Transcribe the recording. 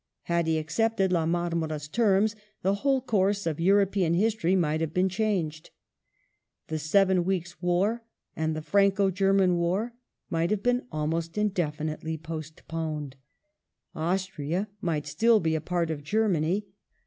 Had he accepted La Marmora's terms the whole coui*se of European history might have been changed. The Seven Weeks' War and the Franco German War might have been almost indefin itely postponed ; Austria might still be a part of Germany, Alsace 1 Proclaimed in 1870.